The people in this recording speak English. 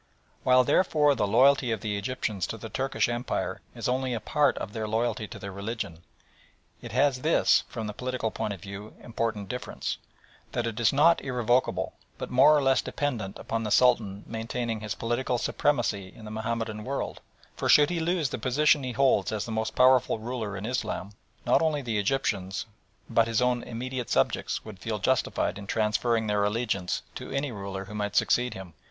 While, therefore, the loyalty of the Egyptians to the Turkish Empire is only a part of their loyalty to their religion, it has this, from the political point of view, important difference that it is not irrevocable, but more or less dependent upon the Sultan maintaining his political supremacy in the Mahomedan world, for should he lose the position he holds as the most powerful ruler in Islam, not only the Egyptians, but his own immediate subjects, would feel justified in transferring their allegiance to any ruler who might succeed him.